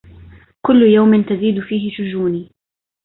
كل يوم تزيد فيه شجوني